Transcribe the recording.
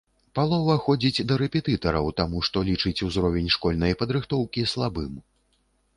Палова ходзіць да рэпетытараў таму, што лічыць узровень школьнай падрыхтоўкі слабым.